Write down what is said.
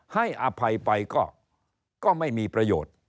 ให้อภัยไปก็ไม่มีประโยชน์